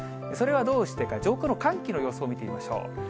それはどうしてか、上空の寒気の予想、見てみましょう。